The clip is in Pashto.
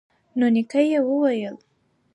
نو نیکه یې وویل